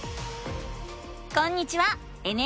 こんにちは！